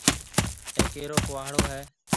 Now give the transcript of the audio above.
اَي ڪيرو ڪُهاڙو هيَ؟